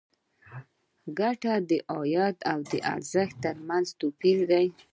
ګټه د عاید او لګښت تر منځ توپیر دی.